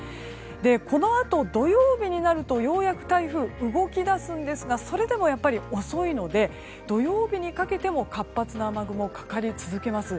このあと、土曜日になるとようやく台風動き出すんですがそれでも遅いので土曜日にかけても活発な雨雲がかかり続けます。